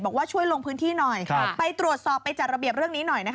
บอกว่าช่วยลงพื้นที่หน่อยไปตรวจสอบไปจัดระเบียบเรื่องนี้หน่อยนะคะ